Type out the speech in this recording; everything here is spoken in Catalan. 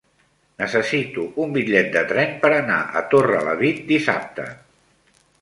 Necessito un bitllet de tren per anar a Torrelavit dissabte.